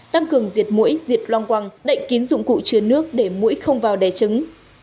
tăng cường diệt mũi diệt loang quăng đậy kín dụng cụ chứa nước để mũi không vào đẻ trứng